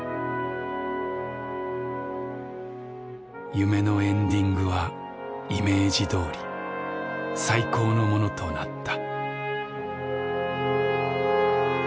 「夢のエンディングはイメージ通り最高のものとなった」。